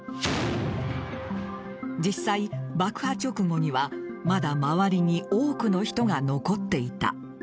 実際、爆破直後にはまだ周りに多くの人が残っていた。